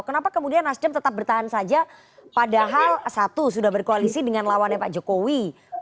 kenapa kemudian nasdem tetap bertahan saja padahal satu sudah berkoalisi dengan lawannya pak jokowi